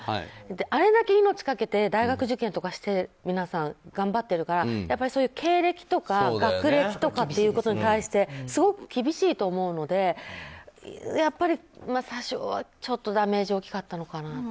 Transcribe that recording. あれだけ命かけて大学受験とかして皆さん頑張っているから経歴とか学歴とかっていうことに対してすごく厳しいと思うので詐称はちょっとダメージが大きかったのかなと。